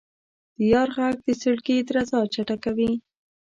د یار ږغ د زړګي درزا چټکوي.